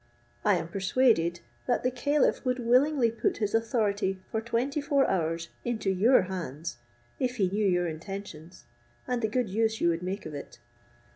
I am persuaded that the caliph would willingly put his authority for twenty four hours into your hands if he knew your intentions, and the good use you would make of it.